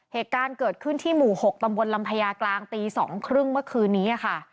เหตุการณ์เกิดขึ้นที่หมู่๖ตำบลลำพญากลางตี๒๓๐เมื่อคืนนี้ค่ะ